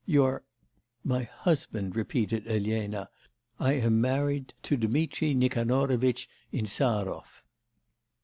'Your ' 'My husband,' repeated Elena; 'I am married to Dmitri Nikanorovitch Insarov.